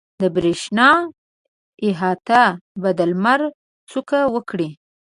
د برېښنا احاطه به د لمر څوک وکړي.